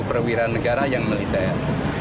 itu perwira negara yang militer